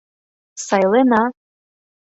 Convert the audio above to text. — Сайлена!